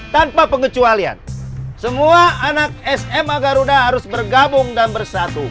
tanpa pengecualian semua anak sma garuda harus bergabung dan bersatu